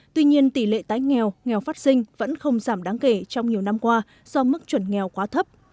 tuy nhiên tỷ lệ tái nghèo nghèo phát sinh vẫn không giảm đáng kể trong nhiều năm qua do mức chuẩn nghèo quá thấp